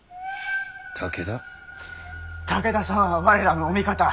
武田様は我らのお味方。